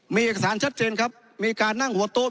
มีเอกสารชัดเจนครับมีการนั่งหัวโต๊ะ